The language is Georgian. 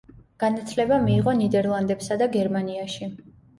განათლება მიიღო ნიდერლანდებსა და გერმანიაში.